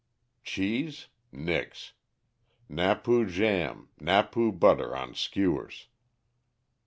Cheese? Nix. Napoo jam, napoo butter on skewers."